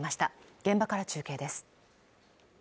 現場から中継です